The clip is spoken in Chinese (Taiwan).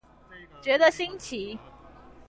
覺得新奇